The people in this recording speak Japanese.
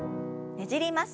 ねじります。